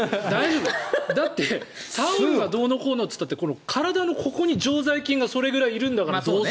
だって、タオルがどうのこうのって言ったって体のここに常在菌がそれぐらいいるんだから。